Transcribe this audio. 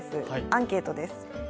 アンケートです。